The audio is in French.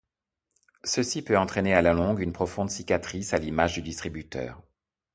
Ceci peut entrainer à la longue une profonde citatrice à l’image du distributeur.